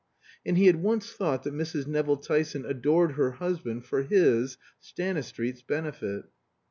And he had once thought that Mrs. Nevill Tyson adored her husband for his (Stanistreet's) benefit.